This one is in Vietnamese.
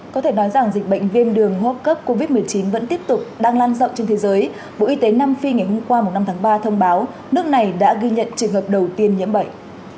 có thể nói rằng dịch bệnh viêm đường hô hấp cấp covid một mươi chín vẫn tiếp tục đang lan rộng trên thế giới bộ y tế nam phi ngày hôm qua năm tháng ba thông báo nước này đã ghi nhận trường hợp đầu tiên nhiễm bệnh